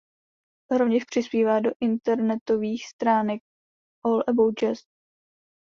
Rovněž přispívala do internetových stránek All About Jazz.